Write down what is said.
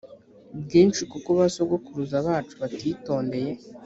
bwinshi kuko ba sogokuruza bacu batitondeye